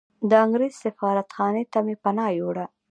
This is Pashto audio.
د انګریز سفارتخانې ته مې پناه یووړه.